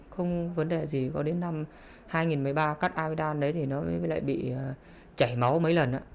không vấn đề gì có đến năm hai nghìn một mươi ba cắt amidam đấy thì nó mới lại bị chảy máu mấy lần